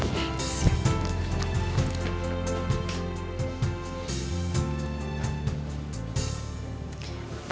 sih tuh net